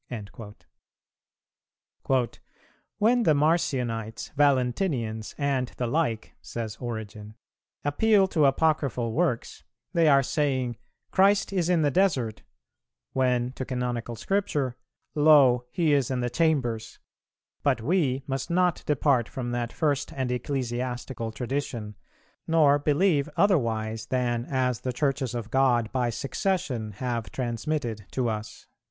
"[350:1] "When the Marcionites, Valentinians, and the like," says Origen, "appeal to apocryphal works, they are saying, 'Christ is in the desert;' when to canonical Scripture, 'Lo, He is in the chambers;' but we must not depart from that first and ecclesiastical tradition, nor believe otherwise than as the Churches of God by succession have transmitted to us."